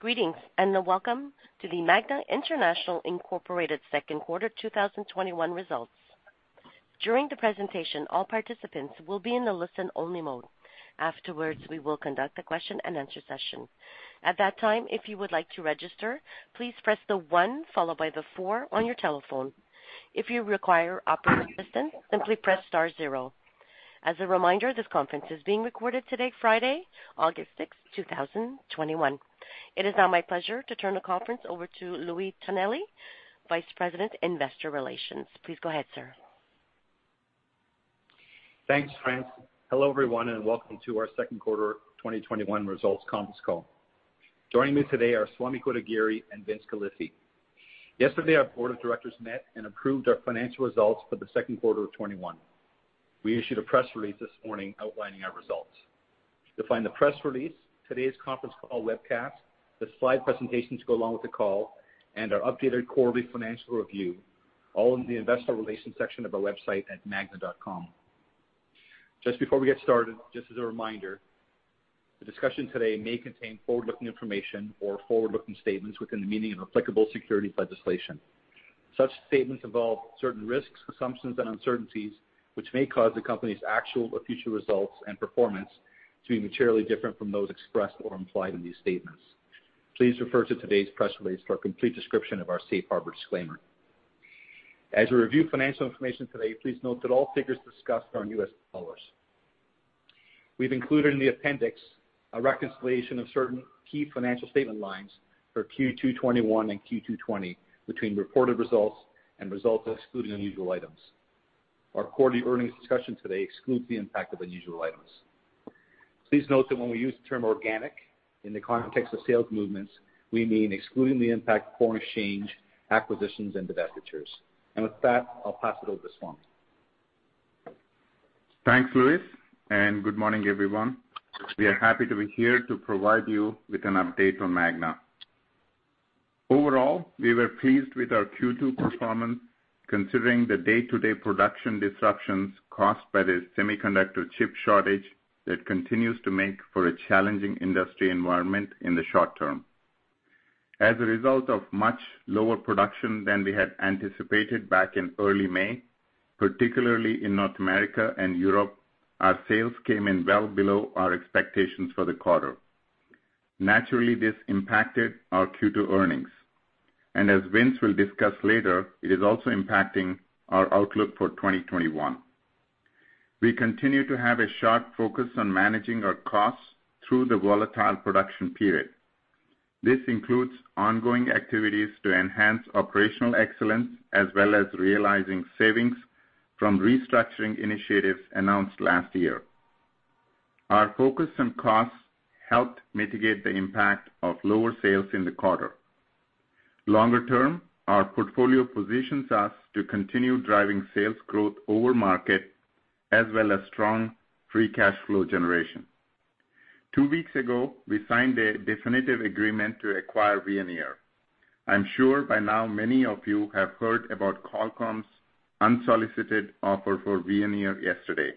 Greetings, and welcome to the Magna International Incorporated Second Quarter 2021 Results. As a reminder, this conference is being recorded today, Friday, August 6, 2021. It is now my pleasure to turn the conference over to Louis Tonelli, Vice President, Investor Relations. Please go ahead, sir. Thanks, France. Hello, everyone, and welcome to our second quarter 2021 results conference call. Joining me today are Swamy Kotagiri and Vince Galifi. Yesterday, our board of directors met and approved our financial results for the second quarter of 2021. We issued a press release this morning outlining our results. You'll find the press release, today's conference call webcast, the slide presentation to go along with the call, and our updated quarterly financial review all in the investor relations section of our website at magna.com. Just before we get started, just as a reminder, the discussion today may contain forward-looking information or forward-looking statements within the meaning of applicable securities legislation. Such statements involve certain risks, assumptions, and uncertainties, which may cause the company's actual or future results and performance to be materially different from those expressed or implied in these statements. Please refer to today's press release for a complete description of our safe harbor disclaimer. As we review financial information today, please note that all figures discussed are in U.S. dollars. We've included in the appendix a reconciliation of certain key financial statement lines for Q2 2021 and Q2 2020 between reported results and results excluding unusual items. Our quarterly earnings discussion today excludes the impact of unusual items. Please note that when we use the term organic in the context of sales movements, we mean excluding the impact of foreign exchange, acquisitions, and divestitures. With that, I'll pass it over to Swamy. Thanks, Louis, and good morning, everyone. We are happy to be here to provide you with an update on Magna. Overall, we were pleased with our Q2 performance, considering the day-to-day production disruptions caused by the semiconductor chip shortage that continues to make for a challenging industry environment in the short term. As a result of much lower production than we had anticipated back in early May, particularly in North America and Europe, our sales came in well below our expectations for the quarter. Naturally, this impacted our Q2 earnings, and as Vince will discuss later, it is also impacting our outlook for 2021. We continue to have a sharp focus on managing our costs through the volatile production period. This includes ongoing activities to enhance operational excellence, as well as realizing savings from restructuring initiatives announced last year. Our focus on costs helped mitigate the impact of lower sales in the quarter. Longer term, our portfolio positions us to continue driving sales growth over market, as well as strong free cash flow generation. Two weeks ago, we signed a definitive agreement to acquire Veoneer. I'm sure by now many of you have heard about Qualcomm's unsolicited offer for Veoneer yesterday.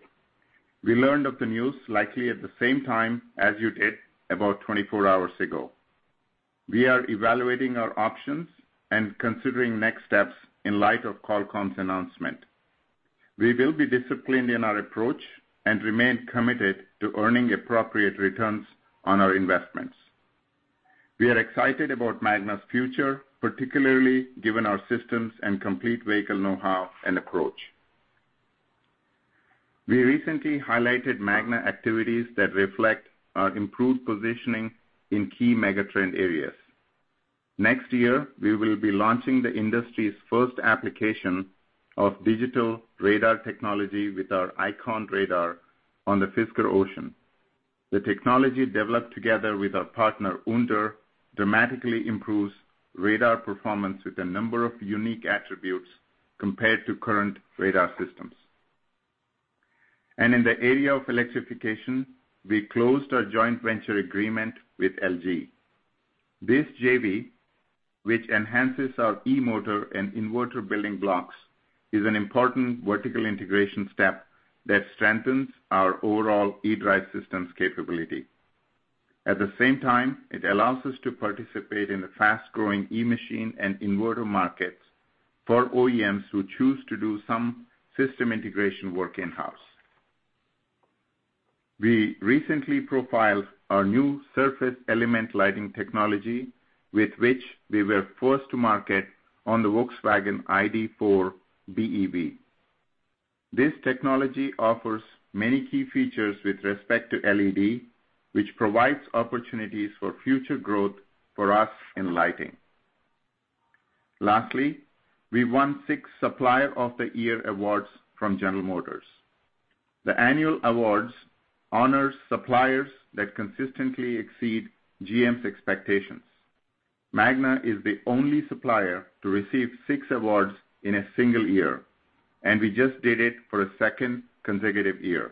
We learned of the news likely at the same time as you did, about 24 hours ago. We are evaluating our options and considering next steps in light of Qualcomm's announcement. We will be disciplined in our approach and remain committed to earning appropriate returns on our investments. We are excited about Magna's future, particularly given our systems and complete vehicle know-how and approach. We recently highlighted Magna activities that reflect our improved positioning in key megatrend areas. Next year, we will be launching the industry's first application of digital radar technology with our ICON Radar on the Fisker Ocean. The technology, developed together with our partner, Uhnder, dramatically improves radar performance with a number of unique attributes compared to current radar systems. In the area of electrification, we closed our joint venture agreement with LG. This JV, which enhances our e-motor and inverter building blocks, is an important vertical integration step that strengthens our overall eDrive systems capability. At the same time, it allows us to participate in the fast-growing e-machine and inverter markets for OEMs who choose to do some system integration work in-house. We recently profiled our new Surface Element Lighting technology, with which we were first to market on the Volkswagen ID.4 BEV. This technology offers many key features with respect to LED, which provides opportunities for future growth for us in lighting. We won six Supplier of the Year awards from General Motors. The annual awards honor suppliers that consistently exceed GM's expectations. Magna is the only supplier to receive six awards in a single year, and we just did it for a 2nd consecutive year.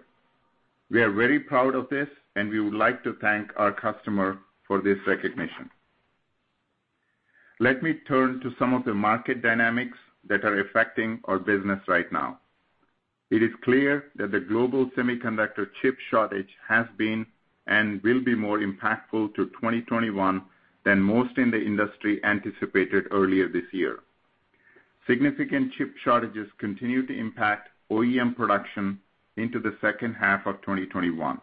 We are very proud of this, and we would like to thank our customer for this recognition. Let me turn to some of the market dynamics that are affecting our business right now. It is clear that the global semiconductor chip shortage has been and will be more impactful to 2021 than most in the industry anticipated earlier this year. Significant chip shortages continue to impact OEM production into the 2nd half of 2021.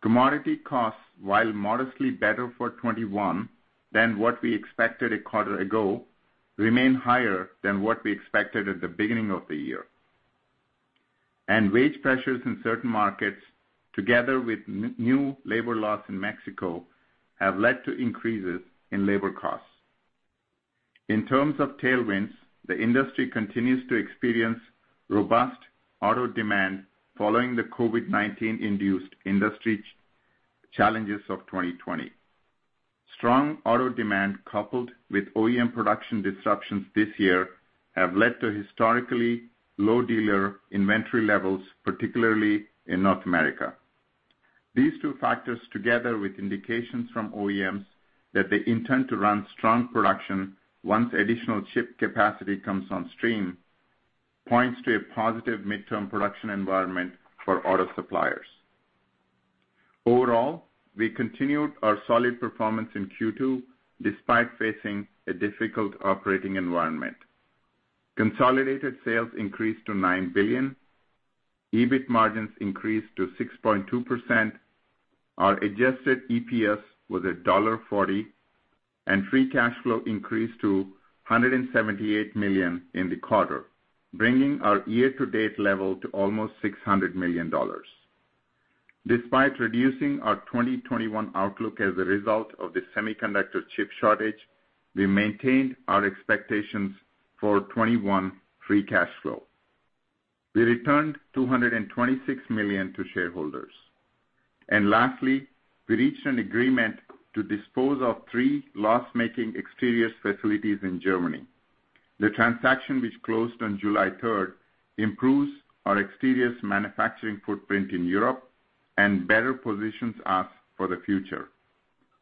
Commodity costs, while modestly better for 2021 than what we expected a quarter ago, remain higher than what we expected at the beginning of the year. Wage pressures in certain markets, together with new labor laws in Mexico, have led to increases in labor costs. In terms of tailwinds, the industry continues to experience robust auto demand following the COVID-19-induced industry challenges of 2020. Strong auto demand, coupled with OEM production disruptions this year, have led to historically low dealer inventory levels, particularly in North America. These two factors, together with indications from OEMs that they intend to run strong production once additional chip capacity comes on stream, points to a positive midterm production environment for auto suppliers. Overall, we continued our solid performance in Q2 despite facing a difficult operating environment. Consolidated sales increased to $9 billion. EBIT margins increased to 6.2%. Our adjusted EPS was $1.40, and free cash flow increased to $178 million in the quarter, bringing our year-to-date level to almost $600 million. Despite reducing our 2021 outlook as a result of the semiconductor chip shortage, we maintained our expectations for 2021 free cash flow. We returned $226 million to shareholders. Lastly, we reached an agreement to dispose of three loss-making Exteriors facilities in Germany. The transaction, which closed on July 3rd, improves our Exteriors manufacturing footprint in Europe and better positions us for the future.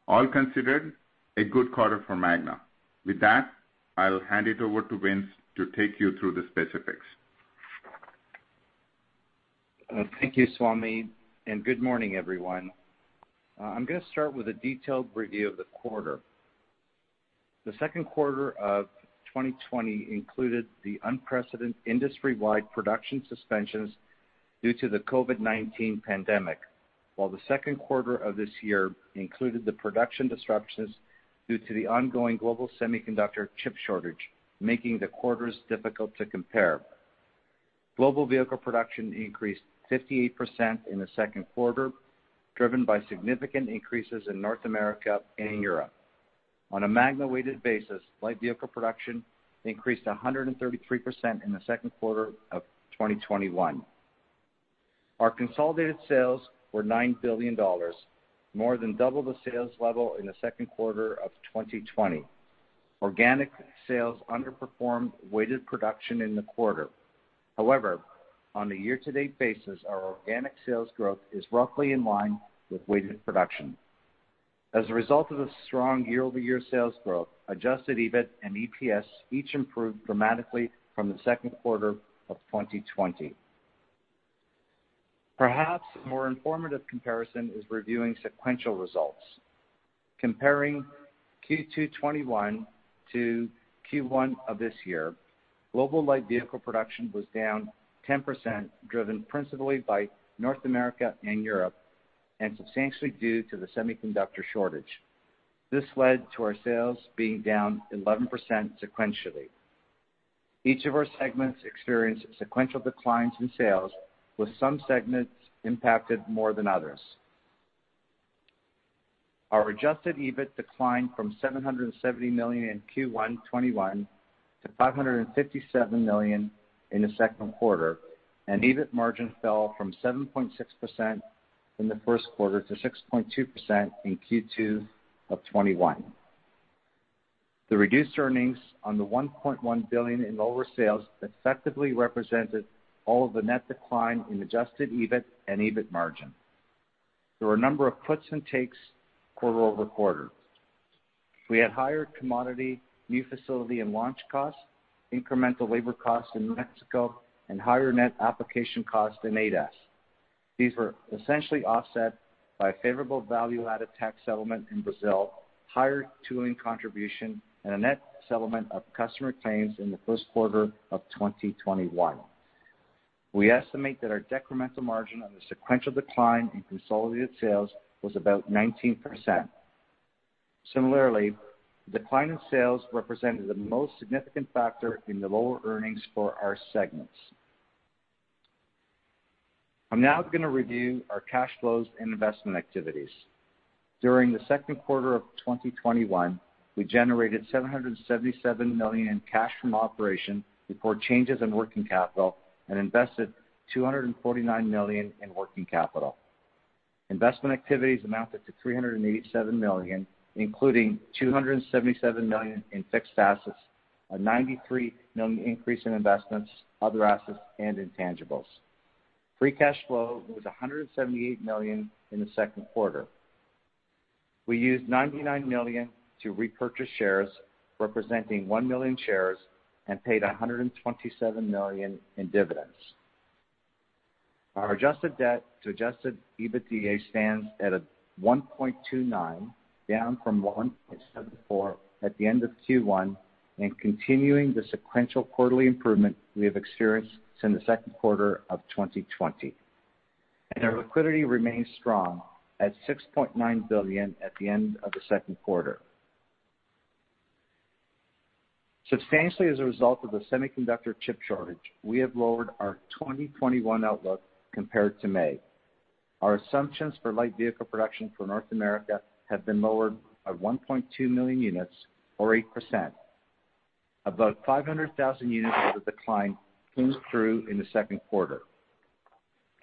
All considered, a good quarter for Magna. With that, I will hand it over to Vince to take you through the specifics. Thank you, Swamy, good morning, everyone. I'm going to start with a detailed review of the quarter. The second quarter of 2020 included the unprecedented industry-wide production suspensions due to the COVID-19 pandemic, while the second quarter of this year included the production disruptions due to the ongoing global semiconductor chip shortage, making the quarters difficult to compare. Global vehicle production increased 58% in the second quarter, driven by significant increases in North America and Europe. On a Magna-weighted basis, light vehicle production increased 133% in the second quarter of 2021. Our consolidated sales were $9 billion, more than double the sales level in the second quarter of 2020. Organic sales underperformed weighted production in the quarter. On a year-to-date basis, our organic sales growth is roughly in line with weighted production. As a result of the strong year-over-year sales growth, adjusted EBIT and EPS each improved dramatically from the second quarter of 2020. Perhaps a more informative comparison is reviewing sequential results. Comparing Q2 2021 to Q1 2021 of this year, global light vehicle production was down 10%, driven principally by North America and Europe, and substantially due to the semiconductor chip shortage. This led to our sales being down 11% sequentially. Each of our segments experienced sequential declines in sales, with some segments impacted more than others. Our adjusted EBIT declined from $770 million in Q1 2021 to $557 million in the second quarter, and EBIT margin fell from 7.6% in the first quarter to 6.2% in Q2 2021. The reduced earnings on the $1.1 billion in lower sales effectively represented all of the net decline in adjusted EBIT and EBIT margin. There were a number of puts and takes quarter-over-quarter. We had higher commodity, new facility, and launch costs, incremental labor costs in Mexico, and higher net application costs in ADAS. These were essentially offset by a favorable value-added tax settlement in Brazil, higher tooling contribution, and a net settlement of customer claims in the first quarter of 2021. We estimate that our decremental margin on the sequential decline in consolidated sales was about 19%. Similarly, the decline in sales represented the most significant factor in the lower earnings for our segments. I'm now going to review our cash flows and investment activities. During the second quarter of 2021, we generated $777 million in cash from operation before changes in working capital and invested $249 million in working capital. Investment activities amounted to $387 million, including $277 million in fixed assets, a $93 million increase in investments, other assets, and intangibles. Free cash flow was $178 million in the second quarter. We used $99 million to repurchase shares, representing one million shares, and paid $127 million in dividends. Our adjusted debt to adjusted EBITDA stands at a 1.29, down from 1.74 at the end of Q1, continuing the sequential quarterly improvement we have experienced since the second quarter of 2020. Our liquidity remains strong at $6.9 billion at the end of the second quarter. Substantially as a result of the semiconductor chip shortage, we have lowered our 2021 outlook compared to May. Our assumptions for light vehicle production for North America have been lowered by 1.2 million units or 8%. About 500,000 units of the decline came through in the second quarter.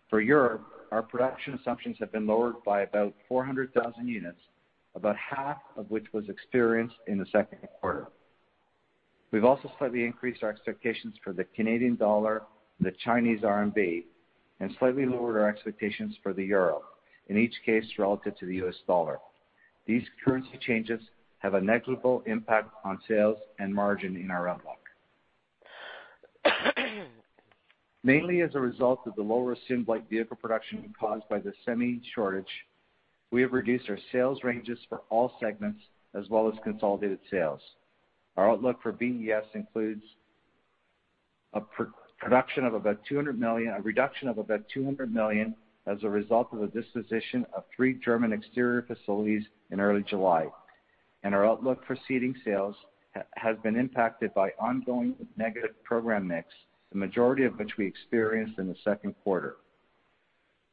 For Europe, our production assumptions have been lowered by about 400,000 units, about half of which was experienced in the second quarter. We've also slightly increased our expectations for the Canadian dollar and the Chinese RMB and slightly lowered our expectations for the euro, in each case relative to the U.S. dollar. These currency changes have a negligible impact on sales and margin in our outlook. Mainly as a result of the lower assumed light vehicle production caused by the semi shortage, we have reduced our sales ranges for all segments as well as consolidated sales. Our outlook for BES includes a reduction of about $200 million as a result of the disposition of three German Exteriors facilities in early July. Our outlook for Seating sales has been impacted by ongoing negative program mix, the majority of which we experienced in the second quarter.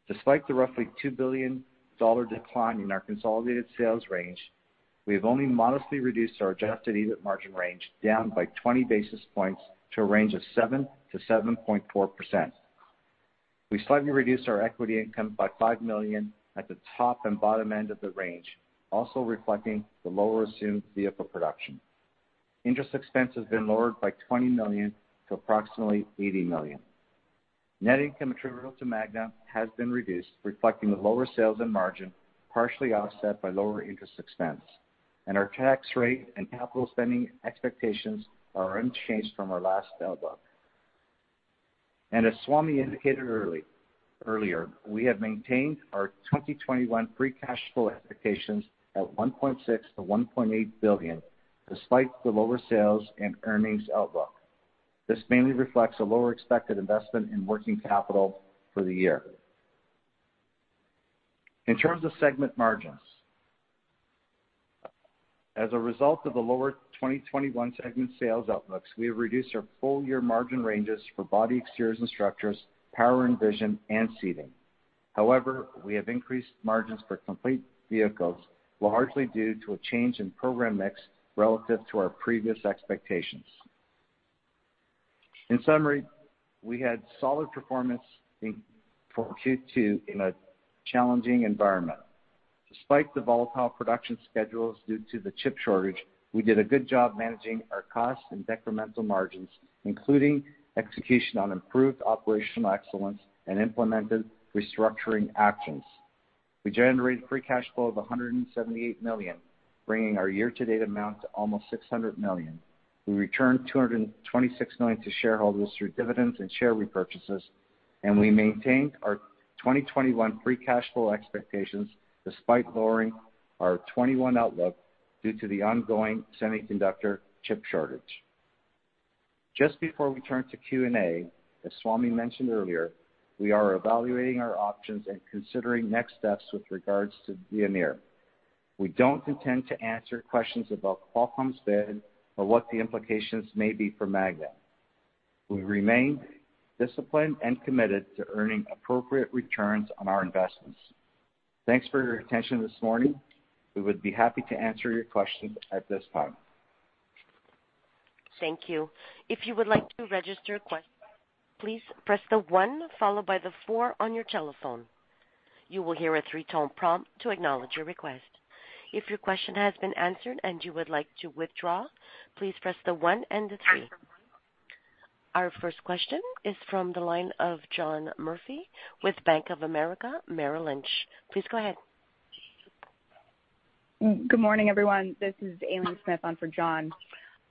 Despite the roughly $2 billion decline in our consolidated sales range, we have only modestly reduced our adjusted EBIT margin range, down by 20 basis points to a range of 7%-7.4%. We slightly reduced our equity income by $5 million at the top and bottom end of the range, also reflecting the lower assumed vehicle production. Interest expense has been lowered by $20 million to approximately $80 million. Net income attributable to Magna has been reduced, reflecting the lower sales and margin, partially offset by lower interest expense. Our tax rate and capital spending expectations are unchanged from our last outlook. As Swamy indicated earlier, we have maintained our 2021 free cash flow expectations at $1.6 billion-$1.8 billion, despite the lower sales and earnings outlook. This mainly reflects a lower expected investment in working capital for the year. In terms of segment margins, as a result of the lower 2021 segment sales outlooks, we have reduced our full-year margin ranges for Body Exteriors & Structures, Power and Vision, and Seating. We have increased margins for Complete Vehicles, largely due to a change in program mix relative to our previous expectations. In summary, we had solid performance for Q2 in a challenging environment. Despite the volatile production schedules due to the chip shortage, we did a good job managing our costs and decremental margins, including execution on improved operational excellence and implemented restructuring actions. We generated free cash flow of $178 million, bringing our year-to-date amount to almost $600 million. We returned $226 million to shareholders through dividends and share repurchases, and we maintained our 2021 free cash flow expectations despite lowering our 2021 outlook due to the ongoing semiconductor chip shortage. Just before we turn to Q&A, as Swamy mentioned earlier, we are evaluating our options and considering next steps with regards to Veoneer. We don't intend to answer questions about Qualcomm's bid or what the implications may be for Magna. We remain disciplined and committed to earning appropriate returns on our investments. Thanks for your attention this morning. We would be happy to answer your questions at this time. Thank you. If you would like to register a question, please press the one followed by the four on your telephone. You will hear a three-tone prompt to acknowledge your request. If your question has been answered and you would like to withdraw, please press the one and the three. Our first question is from the line of John Murphy with Bank of America Merrill Lynch. Please go ahead. Good morning, everyone. This is Aileen Smith on for John.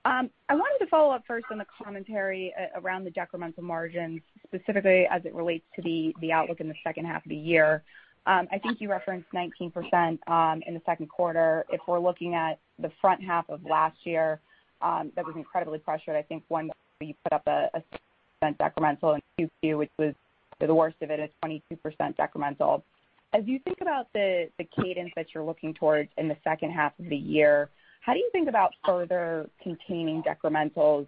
I wanted to follow up first on the commentary around the decremental margins, specifically as it relates to the outlook in the second half of the year. I think you referenced 19% in the second quarter. If we're looking at the front half of last year, that was incredibly pressured. I think, one, you put up a decremental in Q2, which was the worst of it, at 22% decremental. As you think about the cadence that you're looking towards in the second half of the year, how do you think about further containing decrementals,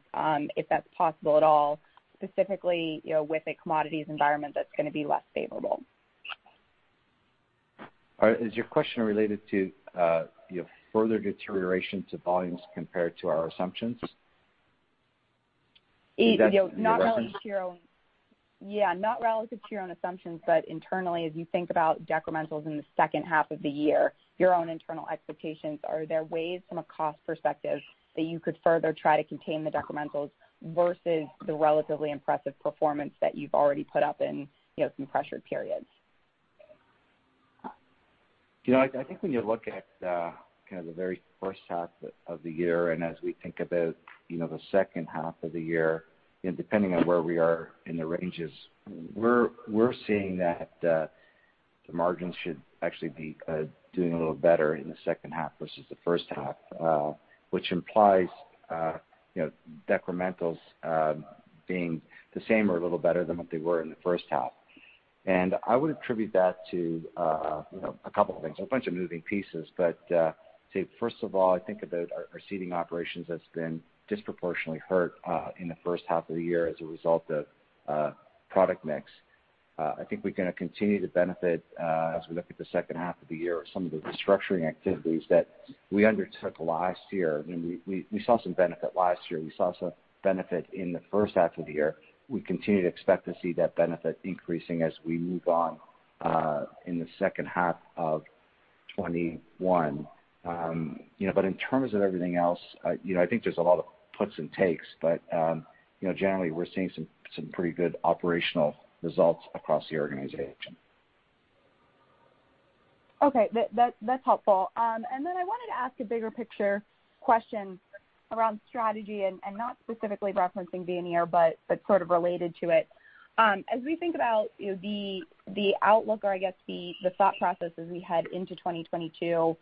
if that's possible at all, specifically with a commodities environment that's going to be less favorable? Is your question related to further deterioration to volumes compared to our assumptions? Is that your reference? Not relative to your own assumptions, but internally, as you think about decrementals in the second half of the year, your own internal expectations, are there ways from a cost perspective that you could further try to contain the decrementals versus the relatively impressive performance that you've already put up in some pressured periods? I think when you look at the very first half of the year, and as we think about the second half of the year, depending on where we are in the ranges, we're seeing that the margins should actually be doing a little better in the second half versus the first half, which implies decrementals being the same or a little better than what they were in the first half. I would attribute that to a couple things, a bunch of moving pieces. First of all, I think about our Magna Seating operations that's been disproportionately hurt in the first half of the year as a result of product mix. I think we're going to continue to benefit as we look at the second half of the year with some of the restructuring activities that we undertook last year. We saw some benefit last year. We saw some benefit in the first half of the year. We continue to expect to see that benefit increasing as we move on in the second half of 2021. In terms of everything else, I think there's a lot of puts and takes. Generally, we're seeing some pretty good operational results across the organization. Okay. That's helpful. I wanted to ask a bigger picture question around strategy and not specifically referencing Veoneer, but sort of related to it. As we think about the outlook or I guess the thought processes we had into 2022,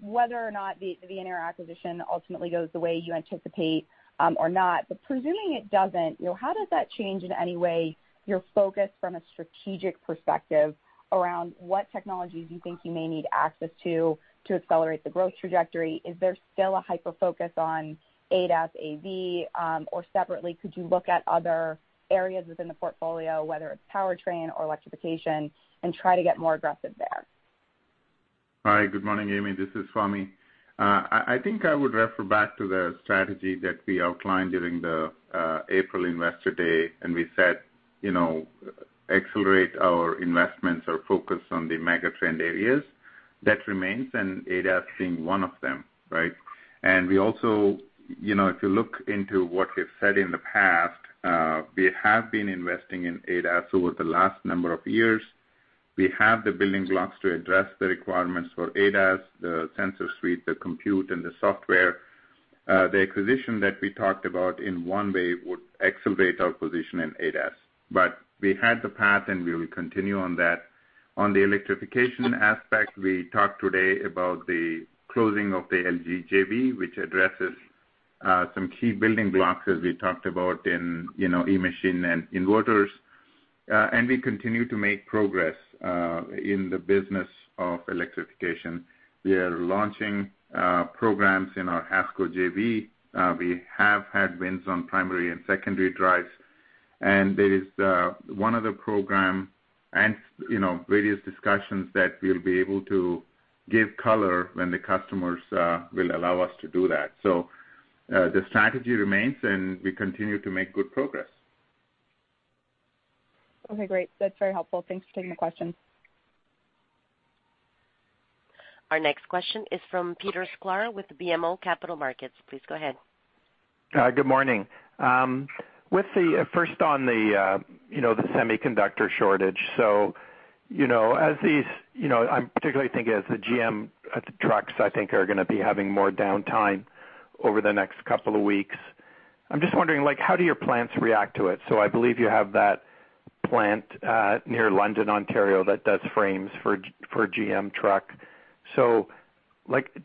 whether or not the Veoneer acquisition ultimately goes the way you anticipate or not, but presuming it doesn't, how does that change in any way your focus from a strategic perspective around what technologies you think you may need access to accelerate the growth trajectory? Is there still a hyper-focus on ADAS AV, or separately, could you look at other areas within the portfolio, whether it's powertrain or electrification, and try to get more aggressive there? Hi, good morning, Aileen. This is Swamy. I think I would refer back to the strategy that we outlined during the April investor day, and we said accelerate our investments or focus on the mega trend areas. That remains, and ADAS being one of them. Right? If you look into what we've said in the past, we have been investing in ADAS over the last number of years. We have the building blocks to address the requirements for ADAS, the sensor suite, the compute, and the software. The acquisition that we talked about in one way would accelerate our position in ADAS. We had the path, and we will continue on that. On the electrification aspect, we talked today about the closing of the LG JV, which addresses some key building blocks as we talked about in E-machine and inverters. We continue to make progress in the business of electrification. We are launching programs in our HASCO JV. We have had wins on primary and secondary drives, and there is 1 other program and various discussions that we'll be able to give color when the customers will allow us to do that. The strategy remains, and we continue to make good progress. Okay, great. That is very helpful. Thanks for taking the question. Our next question is from Peter Sklar with the BMO Capital Markets. Please go ahead. Good morning. First on the semiconductor shortage. I'm particularly thinking as the GM trucks, I think, are going to be having more downtime over the next couple of weeks. I'm just wondering, how do your plants react to it? I believe you have that plant near London, Ontario, that does frames for GM truck. Do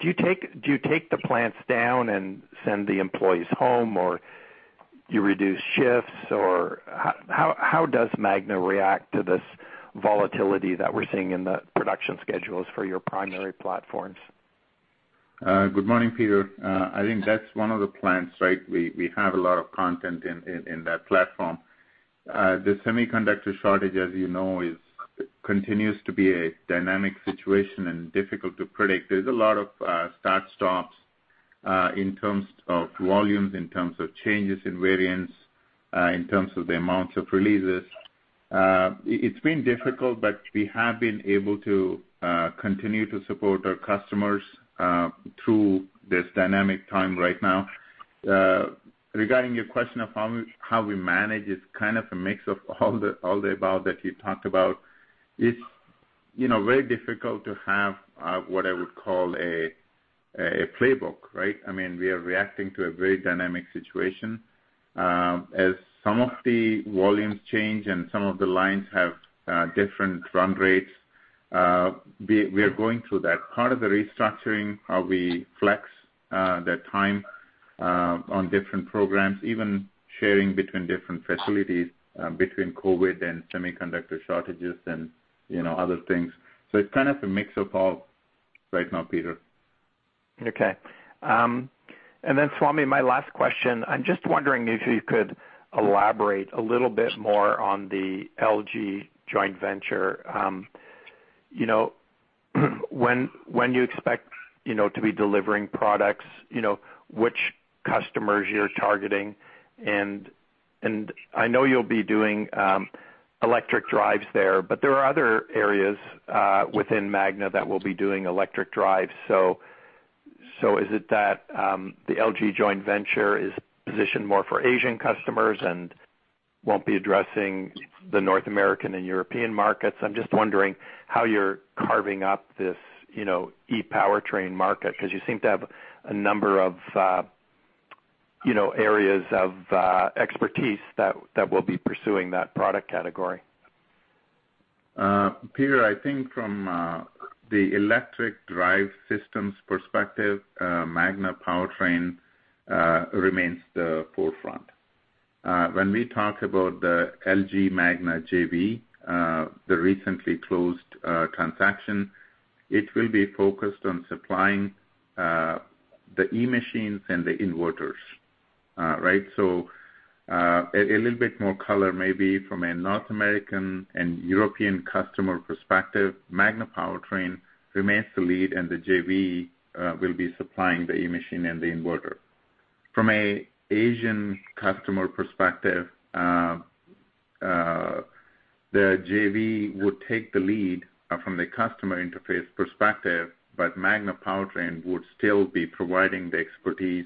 you take the plants down and send the employees home, or you reduce shifts? How does Magna react to this volatility that we're seeing in the production schedules for your primary platforms? Good morning, Peter. I think that's one of the plants, right? The semiconductor shortage, as you know, continues to be a dynamic situation and difficult to predict. There's a lot of start-stops in terms of volumes, in terms of changes in variants, in terms of the amounts of releases. It's been difficult, but we have been able to continue to support our customers through this dynamic time right now. Regarding your question of how we manage, it's kind of a mix of all the above that you talked about. It's very difficult to have what I would call a playbook, right? We are reacting to a very dynamic situation. As some of the volumes change and some of the lines have different run rates, we are going through that. Part of the restructuring, how we flex the time on different programs, even sharing between different facilities, between COVID and semiconductor shortages and other things. It's kind of a mix of all right now, Peter. Okay. Swamy, my last question. I'm just wondering if you could elaborate a little bit more on the LG joint venture. When you expect to be delivering products, which customers you're targeting, and I know you'll be doing electric drives there, but there are other areas within Magna that will be doing electric drives. Is it that the LG joint venture is positioned more for Asian customers and won't be addressing the North American and European markets? I'm just wondering how you're carving up this e-powertrain market, because you seem to have a number of areas of expertise that will be pursuing that product category. Peter, I think from the eDrive systems perspective, Magna Powertrain remains the forefront. We talk about the LG Magna JV, the recently closed transaction, it will be focused on supplying the e-machines and the inverters. A little bit more color maybe from a North American and European customer perspective, Magna Powertrain remains the lead, and the JV will be supplying the e-machine and the inverter. From an Asian customer perspective, the JV would take the lead from the customer interface perspective, Magna Powertrain would still be providing the expertise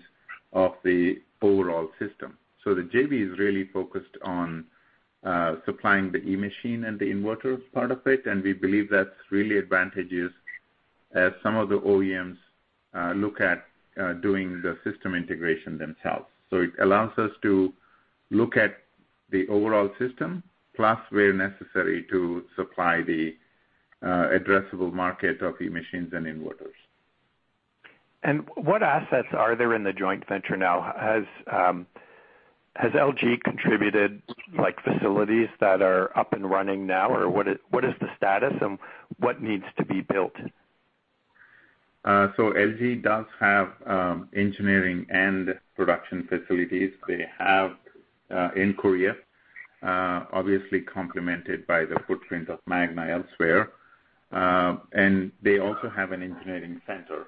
of the overall system. The JV is really focused on supplying the e-machine and the inverters part of it, we believe that's really advantageous as some of the OEMs look at doing the system integration themselves. It allows us to look at the overall system, plus where necessary to supply the addressable market of e-machines and inverters. What assets are there in the joint venture now? Has LG contributed facilities that are up and running now, or what is the status and what needs to be built? LG does have engineering and production facilities they have in Korea obviously complemented by the footprint of Magna elsewhere. They also have an engineering center,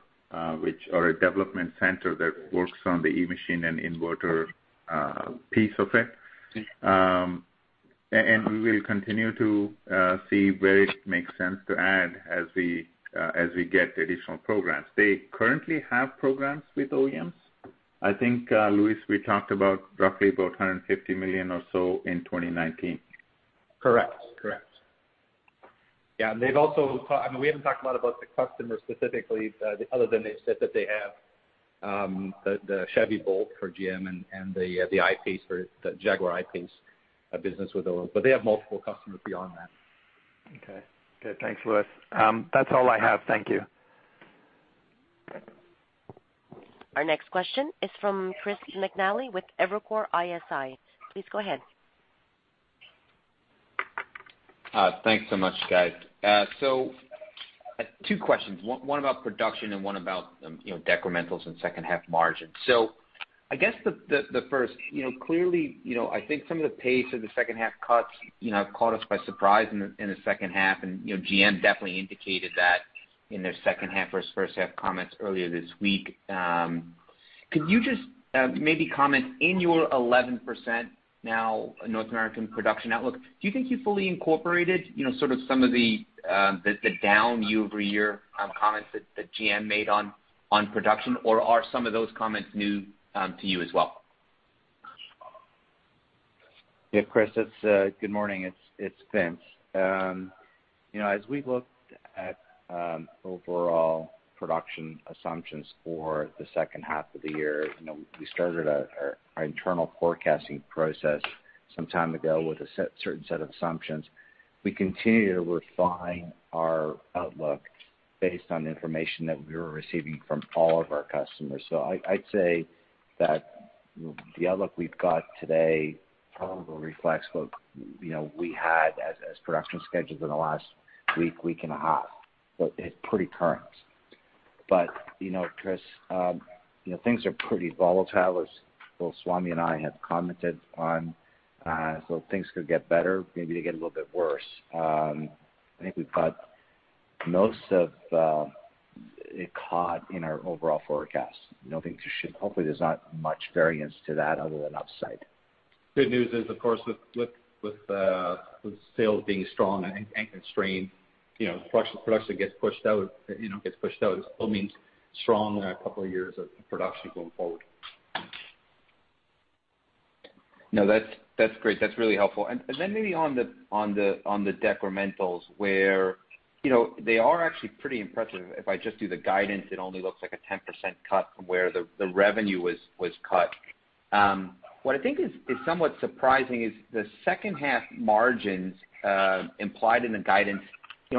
or a development center that works on the e-machine and inverter piece of it. We will continue to see where it makes sense to add as we get additional programs. They currently have programs with OEMs. I think, Louis, we talked about roughly about $150 million or so in 2019. Correct. Yeah. We haven't talked a lot about the customers specifically, other than they've said that they have the Chevy Bolt for GM and the Jaguar I-PACE business with those, but they have multiple customers beyond that. Okay. Good. Thanks, Louis. That's all I have. Thank you. Our next question is from Chris McNally with Evercore ISI. Please go ahead. Thanks so much, guys. Two questions, one about production and one about decrementals and second half margins. I guess the first, clearly, I think some of the pace of the second half cuts caught us by surprise in the second half, and GM definitely indicated that in their second half versus first half comments earlier this week. Could you just maybe comment in your 11% now North American production outlook, do you think you fully incorporated sort of some of the down year-over-year comments that GM made on production, or are some of those comments new to you as well? Chris, good morning. It's Vince. As we looked at overall production assumptions for the second half of the year, we started our internal forecasting process some time ago with a certain set of assumptions. We continue to refine our outlook based on information that we are receiving from all of our customers. I'd say that the outlook we've got today probably reflects what we had as production schedules in the last week and a half. Chris, things are pretty volatile, as both Swamy and I have commented on. Things could get better, maybe they get a little bit worse. I think we've got most of it caught in our overall forecast. Hopefully there's not much variance to that other than upside. Good news is, of course, with sales being strong and constrained, production gets pushed out, it still means strong couple of years of production going forward. No, that's great. That's really helpful. Then maybe on the decrementals where they are actually pretty impressive. If I just do the guidance, it only looks like a 10% cut from where the revenue was cut. What I think is somewhat surprising is the second half margins implied in the guidance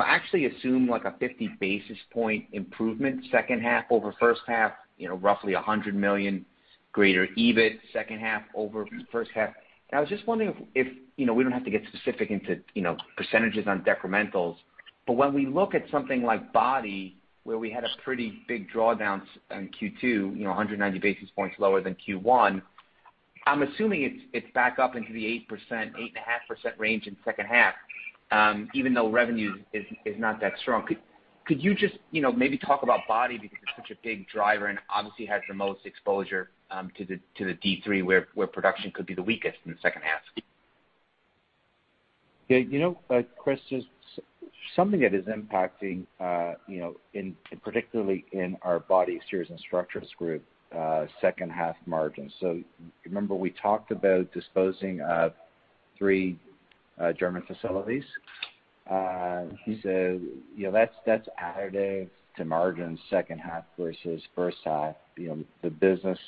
actually assume like a 50 basis point improvement second half over first half, roughly $100 million greater EBIT second half over first half. I was just wondering if, we don't have to get specific into percentages on decrementals, but when we look at something like Body where we had a pretty big drawdown in Q2, 190 basis points lower than Q1, I'm assuming it's back up into the 8%, 8.5% range in second half, even though revenue is not that strong. Could you just maybe talk about Body because it's such a big driver and obviously has the most exposure to the D3 where production could be the weakest in the second half? Chris, something that is impacting, particularly in our Body Exteriors & Structures group second half margins. Remember we talked about disposing of three German facilities? That's additive to margins second half versus first half. The business,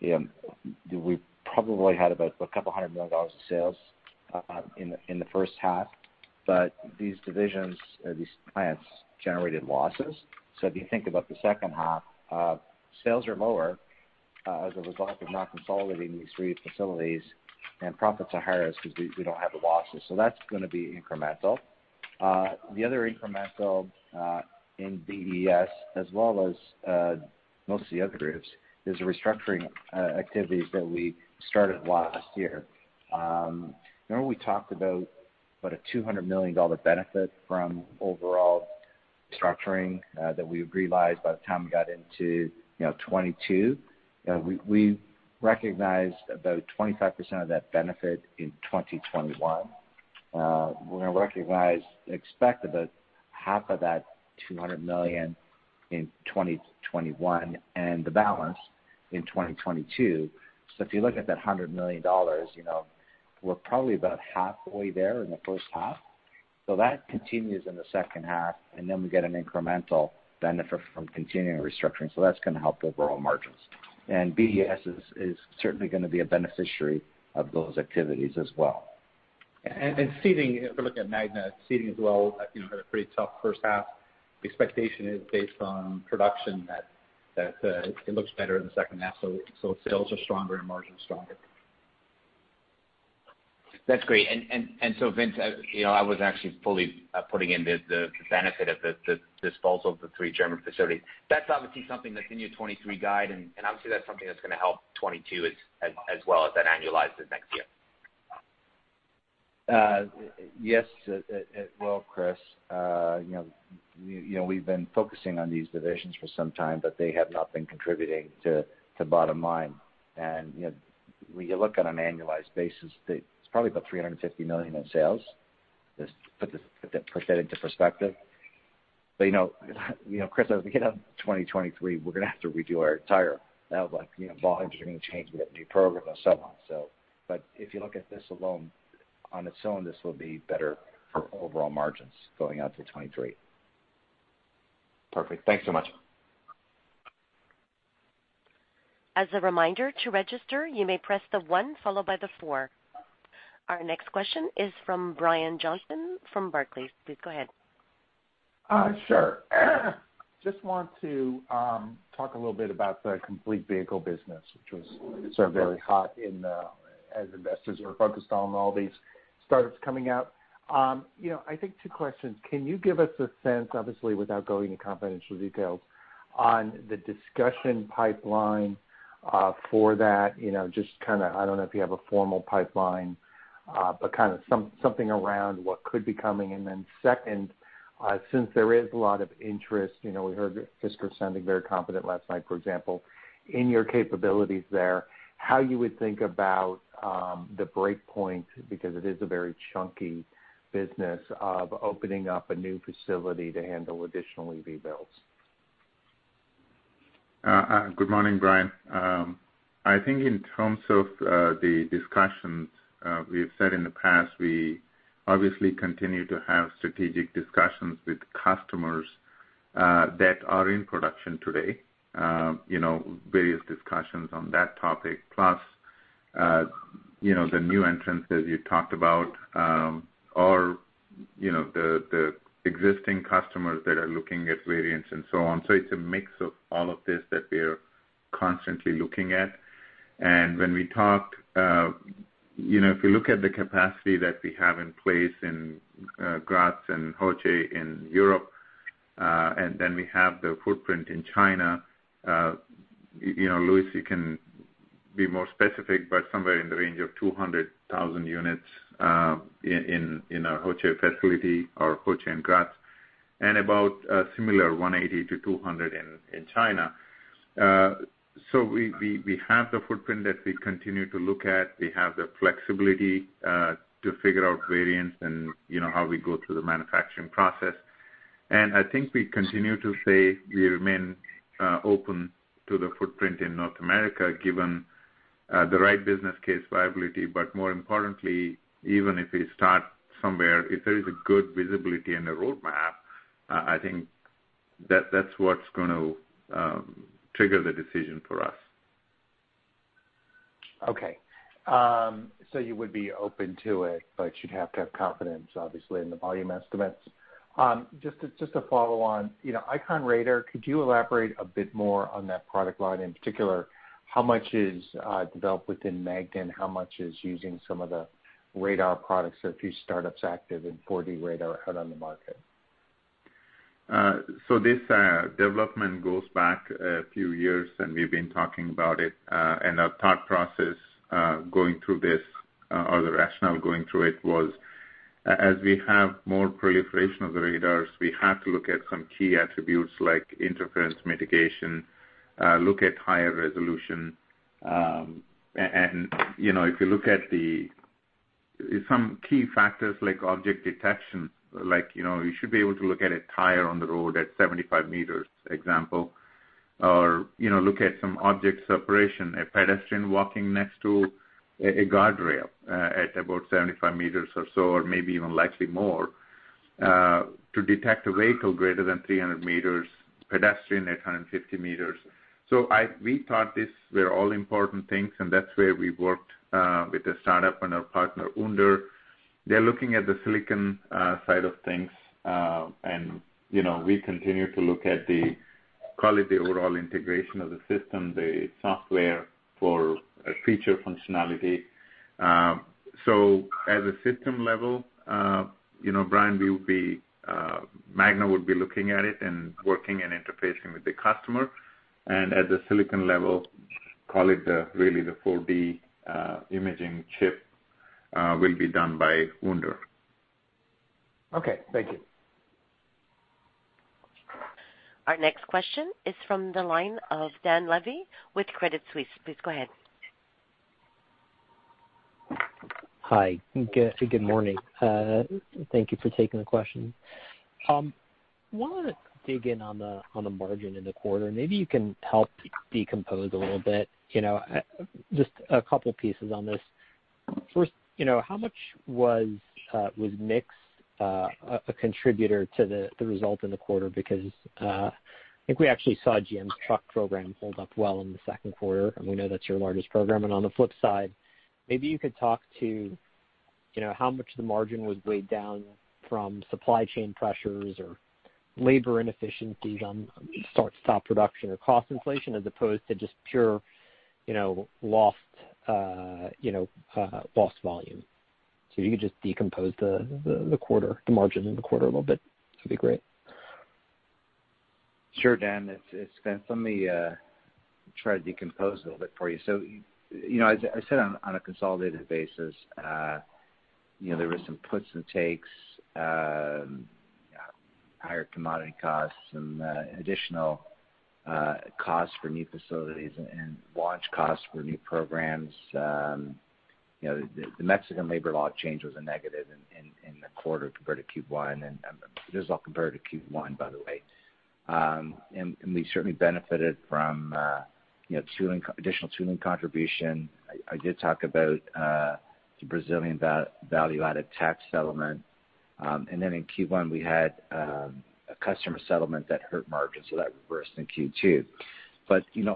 we probably had about $200 million of sales in the first half, these divisions or these plants generated losses. If you think about the second half, sales are lower as a result of not consolidating these three facilities, and profits are higher because we don't have the losses. That's going to be incremental. The other incremental in BES as well as most of the other groups is the restructuring activities that we started last year. Remember we talked about a $200 million benefit from overall restructuring that we would realize by the time we got into 2022? We recognized about 25% of that benefit in 2021. We're going to recognize, expect about half of that $200 million in 2021, and the balance in 2022. If you look at that $100 million, we're probably about halfway there in the first half. That continues in the second half, and then we get an incremental benefit from continuing restructuring. That's going to help overall margins. BES is certainly going to be a beneficiary of those activities as well. Seating, if we look at Magna Seating as well, had a pretty tough first half. The expectation is based on production that it looks better in the second half. Sales are stronger and margins stronger. That's great. Vince, I was actually fully putting in the benefit of the disposal of the three German facilities. That's obviously something that's in your 2023 guide, and obviously that's something that's going to help 2022 as well as that annualizes next year. Yes. It will, Chris. We've been focusing on these divisions for some time, they have not been contributing to bottom line. When you look on an annualized basis, it's probably about $350 million in sales. Just put the percentage into perspective. Chris, as we get out into 2023, we're going to have to redo our entire outlook. Volumes are going to change, we got new programs and so on. If you look at this alone, on its own, this will be better for overall margins going out to 2023. Perfect. Thanks so much. Our next question is from Brian Johnson from Barclays. Please go ahead. Sure. Just want to talk a little bit about the complete vehicle business, which was very hot as investors were focused on all these startups coming out. I think two questions. Can you give us a sense, obviously without going into confidential details, on the discussion pipeline for that? Just kind of, I don't know if you have a formal pipeline, but kind of something around what could be coming. Second, since there is a lot of interest, we heard Fisker sounding very confident last night, for example, in your capabilities there, how you would think about the breakpoint? Because it is a very chunky business of opening up a new facility to handle additional EV builds. Good morning, Brian. I think in terms of the discussions, we've said in the past, we obviously continue to have strategic discussions with customers that are in production today. Various discussions on that topic. The new entrants, as you talked about, or the existing customers that are looking at variants and so on. It's a mix of all of this that we're constantly looking at. When we talked, if we look at the capacity that we have in place in Graz and Hoče in Europe, then we have the footprint in China. Louis, you can be more specific, but somewhere in the range of 200,000 units in our Hoče facility or Hoče and Graz, and about a similar 180-200 units in China. We have the footprint that we continue to look at. We have the flexibility to figure out variants and how we go through the manufacturing process. I think we continue to say we remain open to the footprint in North America, given the right business case viability. More importantly, even if we start somewhere, if there is a good visibility and a roadmap, I think that's what's going to trigger the decision for us. You would be open to it, but you'd have to have confidence, obviously, in the volume estimates. Just to follow on, ICON Radar, could you elaborate a bit more on that product line? In particular, how much is developed within Magna, and how much is using some of the radar products, there are a few startups active in 4D radar out on the market. This development goes back a few years, and we've been talking about it, and our thought process going through this, or the rationale going through it was, as we have more proliferation of the radars, we have to look at some key attributes like interference mitigation, look at higher resolution. If you look at some key factors like object detection, you should be able to look at a tire on the road at 75 meters, for example, or look at some object separation, a pedestrian walking next to a guardrail at about 75 meters or so, or maybe even likely more, to detect a vehicle greater than 300 meters, pedestrian at 150 meters. We thought these were all important things, and that's where we worked with a startup and our partner, Uhnder. They're looking at the silicon side of things, and we continue to look at the quality overall integration of the system, the software for feature functionality. As a system level, Brian, Magna would be looking at it and working and interfacing with the customer. At the silicon level, call it really the 4D imaging chip, will be done by Uhnder. Okay. Thank you. Our next question is from the line of Dan Levy with Credit Suisse. Please go ahead. Hi. Good morning. Thank you for taking the question. I want to dig in on the margin in the quarter. Maybe you can help decompose a little bit. Just a couple of pieces on this. First, how much was mix a contributor to the result in the quarter? I think we actually saw GM's truck program hold up well in the 2nd quarter, and we know that's your largest program. On the flip side, maybe you could talk to how much the margin was weighed down from supply chain pressures or labor inefficiencies on start, stop production or cost inflation as opposed to just pure lost volume. If you could just decompose the quarter, the margins in the quarter a little bit, that'd be great. Sure, Dan. It's Vince. Let me try to decompose a little bit for you. I said on a consolidated basis, there were some puts and takes, higher commodity costs and additional costs for new facilities and launch costs for new programs. The Mexican labor law change was a negative in the quarter compared to Q1, and this is all compared to Q1, by the way. We certainly benefited from additional tooling contribution. I did talk about the Brazilian value-added tax settlement. Then in Q1, we had a customer settlement that hurt margins, so that reversed in Q2.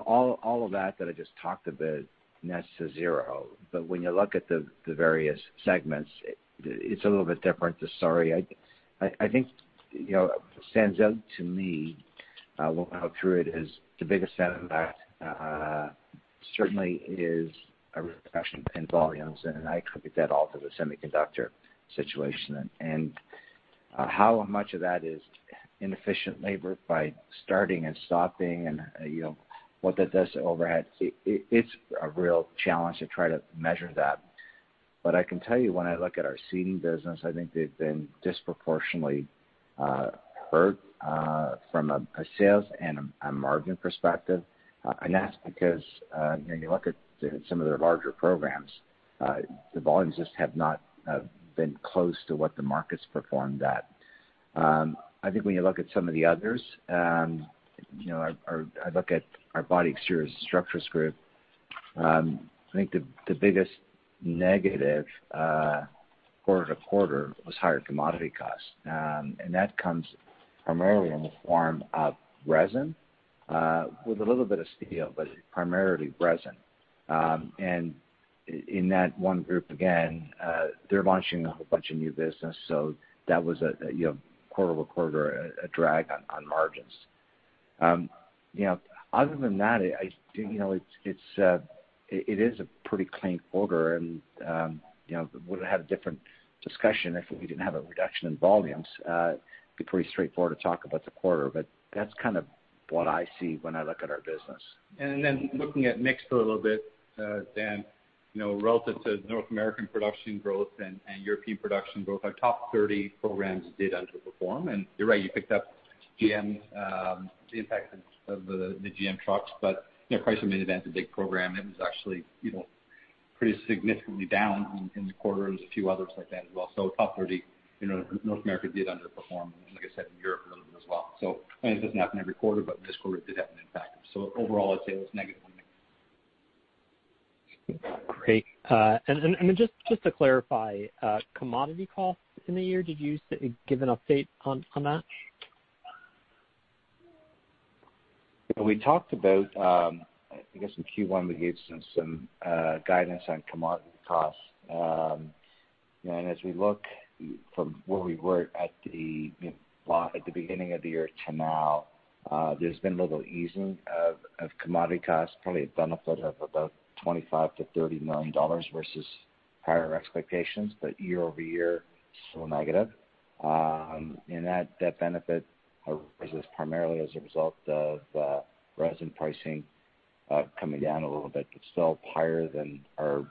All of that that I just talked about nets to zero. When you look at the various segments, it's a little bit different. Sorry, I think what stands out to me, looking how through it is the biggest seller that certainly is a reflection in volumes, and I attribute that all to the semiconductor situation. How much of that is inefficient labor by starting and stopping and what that does to overheads, it's a real challenge to try to measure that. I can tell you when I look at our seating business, I think they've been disproportionately hurt from a sales and a margin perspective. That's because when you look at some of their larger programs, the volumes just have not been close to what the market's performed at. I think when you look at some of the others, I look at our Body Exteriors & Structures group, I think the biggest negative quarter-to-quarter was higher commodity costs. That comes primarily in the form of resin with a little bit of steel, but primarily resin. In that one group, again, they're launching a whole bunch of new business, so that was, quarter-over-quarter, a drag on margins. Other than that, it is a pretty clean quarter and we'd have a different discussion if we didn't have a reduction in volumes. It'd be pretty straightforward to talk about the quarter, but that's kind of what I see when I look at our business. Looking at mix a little bit, Dan, relative to North American production growth and European production growth, our top 30 programs did underperform. Chrysler Minivan is a big program. It was actually pretty significantly down in the quarter and there's a few others like that as well. Top 30 North America did underperform, and like I said, in Europe a little bit as well. It doesn't happen every quarter, but in this quarter it did have an impact. Overall, I'd say it was negative on mix. Great. Then just to clarify, commodity costs in the year, did you give an update on that? We talked about, I guess in Q1 we gave some guidance on commodity costs. As we look from where we were at the beginning of the year to now, there's been a little easing of commodity costs, probably a benefit of about $25 million-$30 million versus prior expectations, but year-over-year, still negative. That benefit arises primarily as a result of resin pricing coming down a little bit, but still higher than our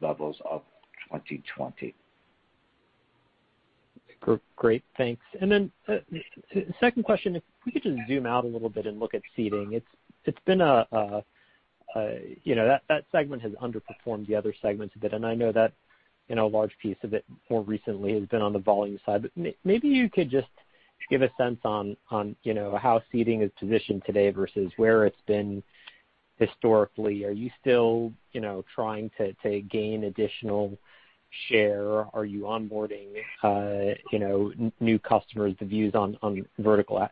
levels of 2020. Great. Thanks. The second question, if we could just zoom out a little bit and look at Magna Seating. That segment has underperformed the other segments a bit. I know that a large piece of it more recently has been on the volume side. Maybe you could just give a sense on how Magna Seating is positioned today versus where it has been historically. Are you still trying to gain additional share? Are you onboarding new customers? The views on vertical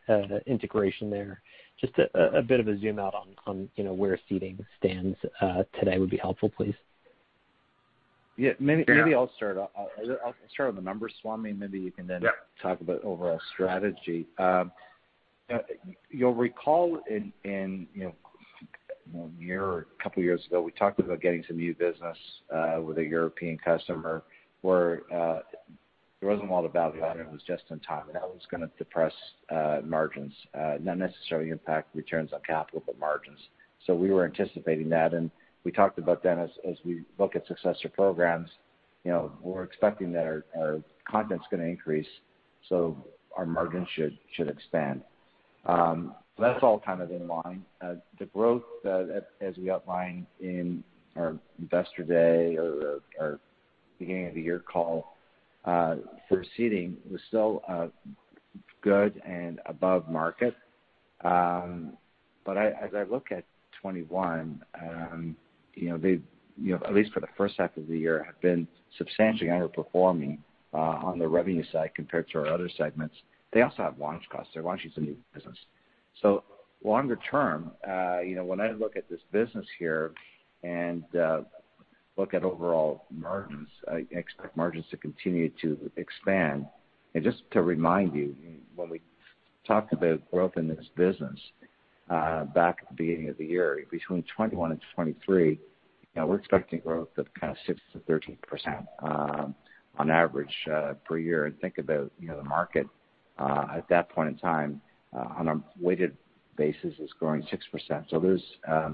integration there. Just a bit of a zoom out on where Magna Seating stands today would be helpful, please. Yeah. Maybe I'll start on the numbers, Swamy. Maybe you can then- Yeah talk about overall strategy. You'll recall in a year or a couple of years ago, we talked about getting some new business with a European customer, where there wasn't a lot of value add. It was just in time, that was gonna depress margins. Not necessarily impact returns on capital, but margins. We were anticipating that, and we talked about then as we look at successor programs, we're expecting that our content's gonna increase, so our margins should expand. That's all kind of in line. The growth, as we outlined in our investor day or our beginning of the year call for Magna Seating, was still good and above market. As I look at 2021, at least for the first half of the year, have been substantially underperforming on the revenue side compared to our other segments. They also have launch costs. They're launching some new business. Longer term, when I look at this business here and look at overall margins, I expect margins to continue to expand. Just to remind you, when we talked about growth in this business back at the beginning of the year, between 2021 and 2023, we're expecting growth of kind of 6%-13% on average per year. Think about the market at that point in time on a weighted basis is growing 6%.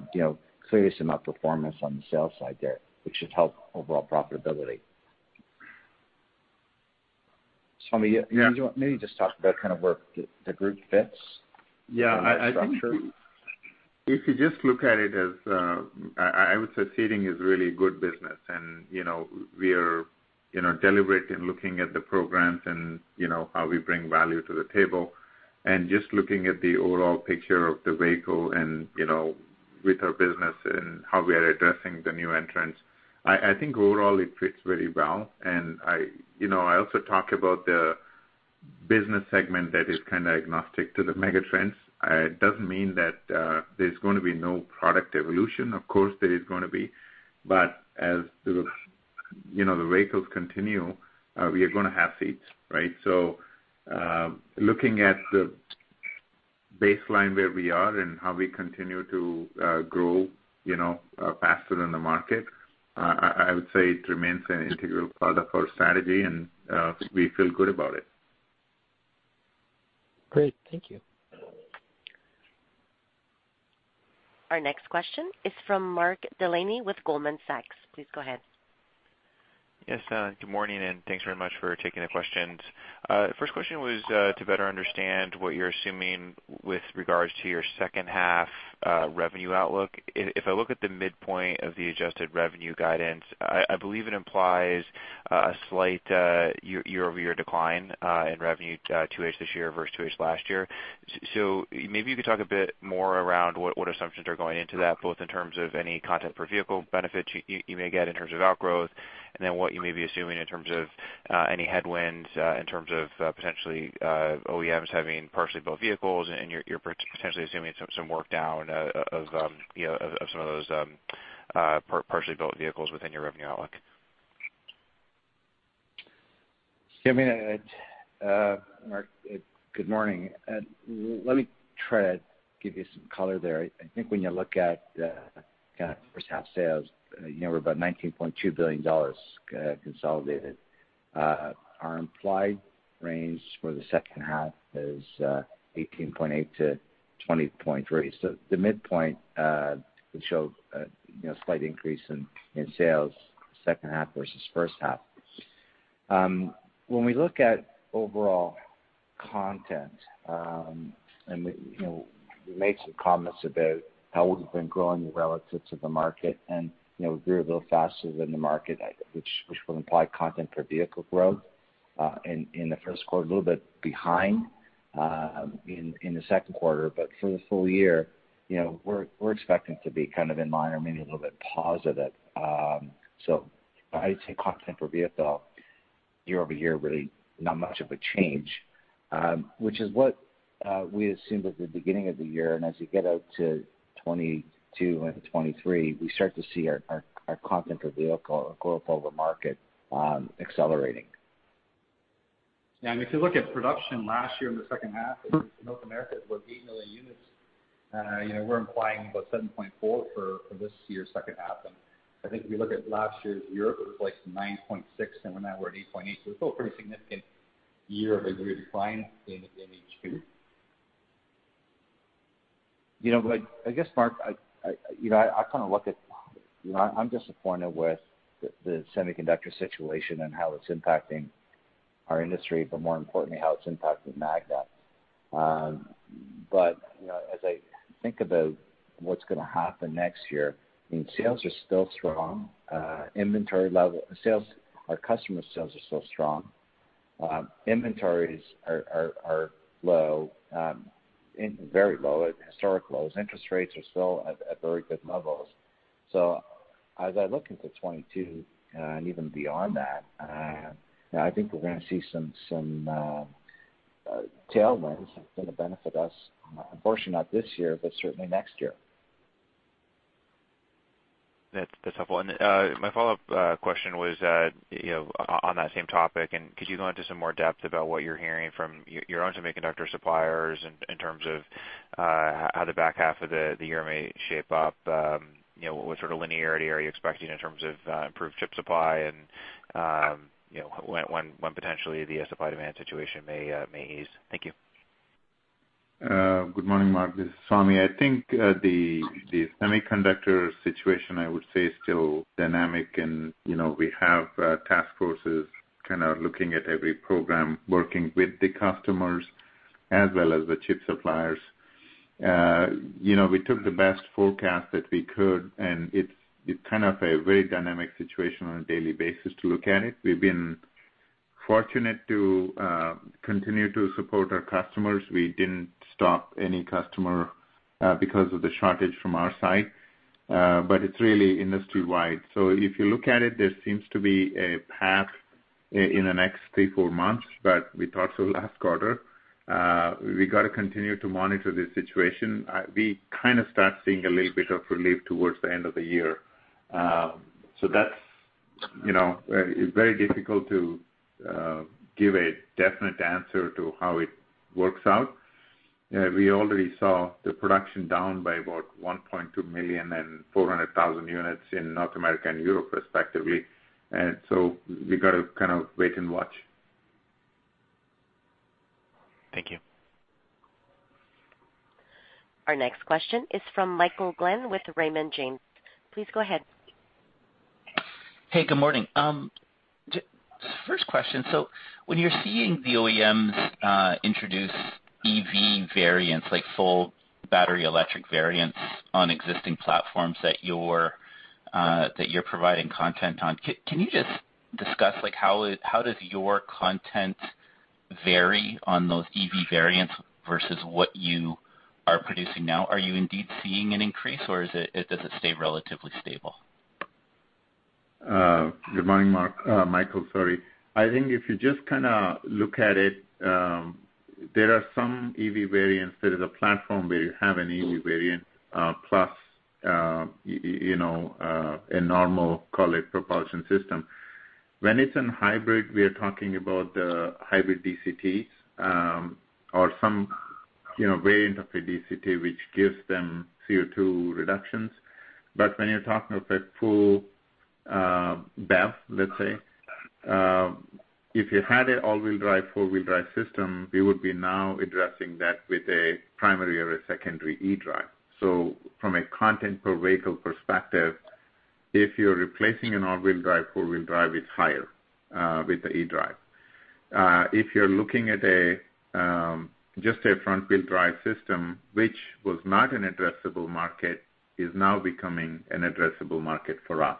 There's clearly some outperformance on the sales side there, which should help overall profitability. Maybe just talk about kind of where the group fits? Yeah In that structure? If you just look at it as, I would say seating is really good business and we are deliberate in looking at the programs and how we bring value to the table. Just looking at the overall picture of the vehicle and with our business and how we are addressing the new entrants, I think overall it fits very well. I also talk about the business segment that is kind of agnostic to the mega trends. It doesn't mean that there's going to be no product evolution. Of course, there is going to be. As the vehicles continue, we are going to have seats, right? Looking at the baseline where we are and how we continue to grow faster than the market, I would say it remains an integral part of our strategy and we feel good about it. Great. Thank you. Our next question is from Mark Delaney with Goldman Sachs. Please go ahead. Yes, good morning and thanks very much for taking the questions. First question was to better understand what you're assuming with regards to your second half revenue outlook. If I look at the midpoint of the adjusted revenue guidance, I believe it implies a slight year-over-year decline in revenue H2 this year versus H2 last year. Maybe you could talk a bit more around what assumptions are going into that, both in terms of any content per vehicle benefits you may get in terms of outgrowth, and then what you may be assuming in terms of any headwinds in terms of potentially OEMs having partially built vehicles and you're potentially assuming some work down of some of those partially built vehicles within your revenue outlook. Mark, good morning. Let me try to give you some color there. I think when you look at kind of first half sales, we're about $19.2 billion consolidated. Our implied range for the second half is $18.8 billion-$20.3 billion. The midpoint would show a slight increase in sales second half versus first half. When we look at overall content, we made some comments about how we've been growing relative to the market and we grew a little faster than the market, which will imply content per vehicle growth in the first quarter, a little bit behind in the second quarter. For the full year, we're expecting to be kind of in line or maybe a little bit positive. I would say content per vehicle year-over-year, really not much of a change, which is what we assumed at the beginning of the year. As you get out to 2022 and to 2023, we start to see our content per vehicle grow above the market accelerating. If you look at production last year in the second half in North America, it was eight million units. We're implying about 7.4 for this year's second half. I think if you look at last year's Europe, it was like 9.6, and we're now we're at 8.8, so it's still a pretty significant year-over-year decline in H2. I guess, Mark, I'm disappointed with the semiconductor situation and how it's impacting our industry, but more importantly, how it's impacting Magna. As I think about what's going to happen next year, sales are still strong. Our customer sales are still strong. Inventories are low, very low, at historic lows. Interest rates are still at very good levels. As I look into 2022, and even beyond that, I think we're going to see some tailwinds that are going to benefit us, unfortunately not this year, but certainly next year. That's helpful. My follow-up question was on that same topic, and could you go into some more depth about what you're hearing from your own semiconductor suppliers in terms of how the back half of the year may shape up? What sort of linearity are you expecting in terms of improved chip supply and when potentially the supply/demand situation may ease? Thank you. Good morning, Mark. This is Swamy. I think the semiconductor situation, I would say, is still dynamic and we have task forces kind of looking at every program, working with the customers as well as the chip suppliers. We took the best forecast that we could. It's kind of a very dynamic situation on a daily basis to look at it. We've been fortunate to continue to support our customers. We didn't stop any customer because of the shortage from our side. It's really industry-wide. If you look at it, there seems to be a path in the next three, four months, but we thought so last quarter. We got to continue to monitor the situation. We kind of start seeing a little bit of relief towards the end of the year. It's very difficult to give a definite answer to how it works out. We already saw the production down by about 1.2 million and 400,000 units in North America and Europe, respectively. We got to kind of wait and watch. Thank you. Our next question is from Michael Glen with Raymond James. Please go ahead. Hey, good morning. First question, when you're seeing the OEMs introduce EV variants, like full battery electric variants on existing platforms that you're providing content on, can you just discuss how does your content vary on those EV variants versus what you are producing now? Are you indeed seeing an increase, or does it stay relatively stable? Good morning, Michael, sorry. I think if you just kind of look at it, there are some EV variants that is a platform where you have an EV variant, plus a normal, call it, propulsion system. When it's in hybrid, we are talking about the hybrid DCTs, or some variant of a DCT, which gives them CO2 reductions. When you're talking of a full BEV, let's say, if you had an all-wheel drive, four-wheel drive system, we would be now addressing that with a primary or a secondary eDrive. From a content per vehicle perspective, if you're replacing an all-wheel drive, four-wheel drive, it's higher with the eDrive. If you're looking at just a front-wheel drive system, which was not an addressable market, is now becoming an addressable market for us.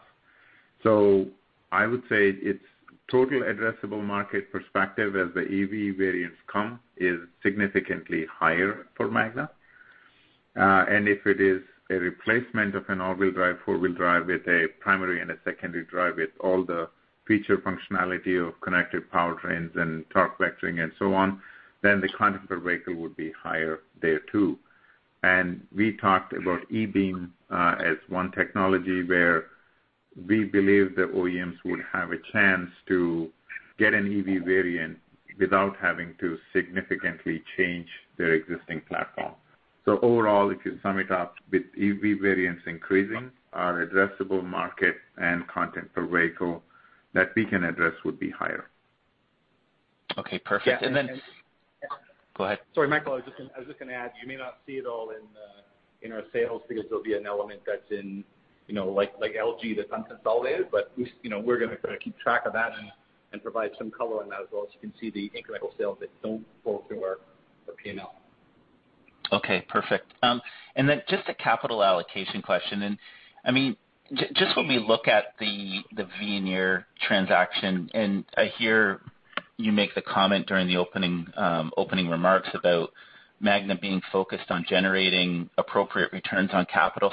I would say its total addressable market perspective as the EV variants come is significantly higher for Magna. If it is a replacement of an all-wheel drive, four-wheel drive with a primary and a secondary drive with all the feature functionality of connected powertrains and torque vectoring and so on, then the content per vehicle would be higher there, too. We talked about eBeam as one technology where we believe the OEMs would have a chance to get an EV variant without having to significantly change their existing platform. Overall, if you sum it up, with EV variants increasing, our addressable market and content per vehicle that we can address would be higher. Okay, perfect. Yeah, and- Go ahead. Sorry, Michael, I was just going to add, you may not see it all in our sales because there'll be an element that's in, like LG, that's unconsolidated. We're going to kind of keep track of that and provide some color on that as well, so you can see the incremental sales that don't flow through our P&L. Okay, perfect. Just a capital allocation question. I mean, just when we look at the Veoneer transaction, and I hear you make the comment during the opening remarks about Magna being focused on generating appropriate returns on capital.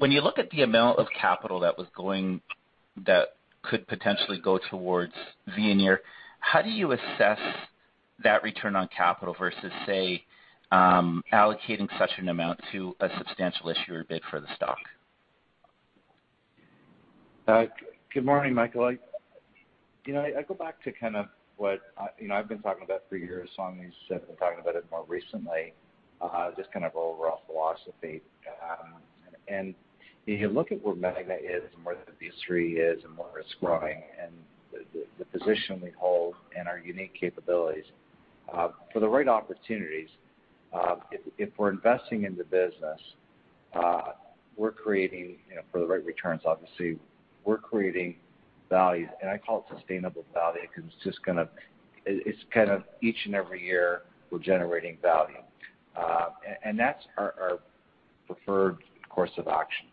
When you look at the amount of capital that could potentially go towards Veoneer, how do you assess that return on capital versus, say, allocating such an amount to a substantial issuer bid for the stock? Good morning, Michael. I go back to kind of what I've been talking about for years. Swamy's certainly been talking about it more recently, just kind of overall philosophy. If you look at where Magna is and where the industry is and where it's growing and the position we hold and our unique capabilities. For the right opportunities, if we're investing in the business, for the right returns, obviously, we're creating value. I call it sustainable value because it's kind of each and every year we're generating value. That's our preferred course of action.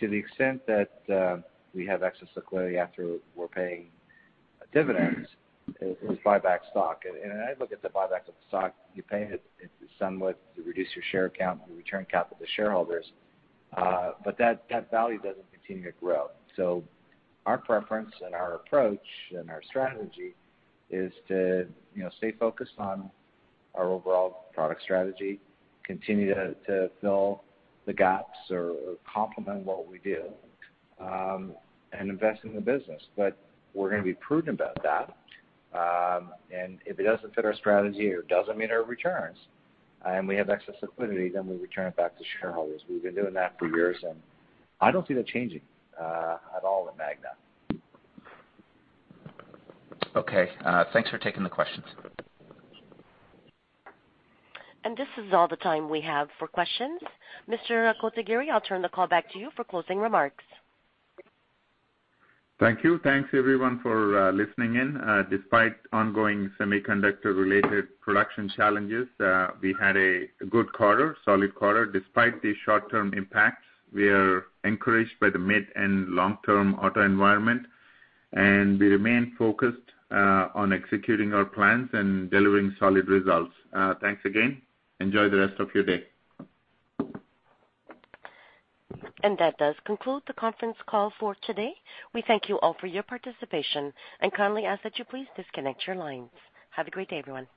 To the extent that we have excess liquidity after we're paying dividends, is buy back stock. I look at the buyback of the stock, you pay it somewhat reduce your share count and return capital to shareholders. That value doesn't continue to grow. Our preference and our approach and our strategy is to stay focused on our overall product strategy, continue to fill the gaps or complement what we do, and invest in the business. We're going to be prudent about that. If it doesn't fit our strategy or doesn't meet our returns, and we have excess liquidity, then we return it back to shareholders. We've been doing that for years, and I don't see that changing at all at Magna. Okay. Thanks for taking the questions. This is all the time we have for questions. Mr. Kotagiri, I'll turn the call back to you for closing remarks. Thank you. Thanks everyone for listening in. Despite ongoing semiconductor-related production challenges, we had a good quarter, solid quarter. Despite the short-term impacts, we are encouraged by the mid and long-term auto environment, and we remain focused on executing our plans and delivering solid results. Thanks again. Enjoy the rest of your day. That does conclude the conference call for today. We thank you all for your participation and kindly ask that you please disconnect your lines. Have a great day, everyone.